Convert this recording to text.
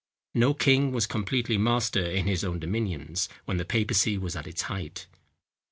No king was completely master in his own dominions, when the papacy was at its height.